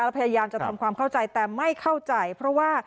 แล้วพยายามจะทำความเข้าใจแต่ไม่เข้าใจเพราะว่า